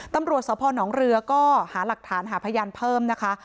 ตำรวจสพนเรือก็หาหลักฐานหาพยานเพิ่มนะคะ